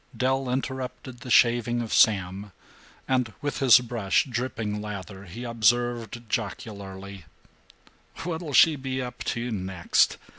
Del interrupted the shaving of Sam and, with his brush dripping lather, he observed jocularly: "What'll she be up to next?